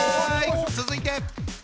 続いて。